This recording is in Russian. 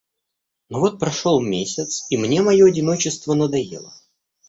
Но вот прошёл месяц и мне моё одиночество надоело.